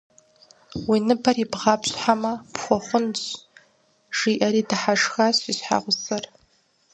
- Уи ныбэр ибгъапщхьэмэ, пхуэхъунщ, - жиӏэри дыхьэшхащ и щхьэгъусэр.